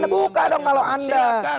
buka dong kalau anda